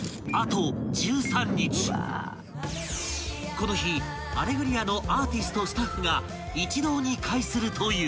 ［この日『アレグリア』のアーティストスタッフが一堂に会するという］